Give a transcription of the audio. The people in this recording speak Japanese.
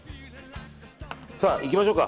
いきましょうか。